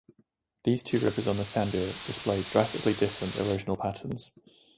These two rivers on the sandur display drastically different erosional patterns.